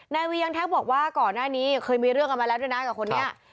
นายวียังทักบอกว่าก่อนหน้านี้เคยมีเรื่องกันมาแล้วด้วยนะกับคนนี้